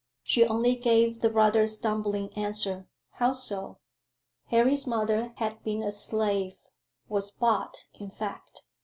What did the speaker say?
She only gave the rather stumbling answer, "How so?" "Harry's mother had been a slave was bought, in fact."